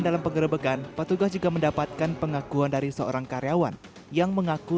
dalam pengerebekan petugas juga mendapatkan pengakuan dari seorang karyawan yang mengaku